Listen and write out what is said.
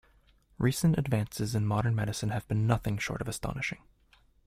Recent advances in modern medicine have been nothing short of astonishing.